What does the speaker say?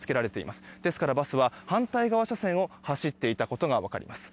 ですから、バスは反対側車線を走っていたことが分かります。